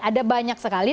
ada banyak sekali